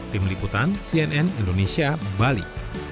tim liputan cnn indonesia bali